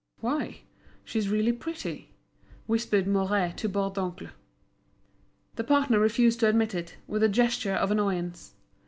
"Why, she's really pretty," whispered Mouret to Bourdoncle. The partner refused to admit it, with a gesture of annoyance.